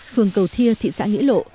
phường cầu thia thị xã nghĩa lộ